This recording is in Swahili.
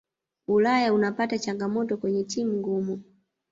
ulaya unapata changamoto kwenye timu ngumu